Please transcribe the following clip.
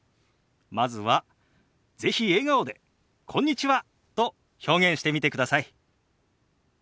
まずは是非笑顔で「こんにちは」と表現してみてください。